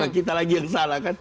kita lagi yang salah kan